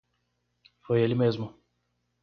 Foi ele mesmo